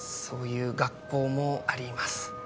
そういう学校もあります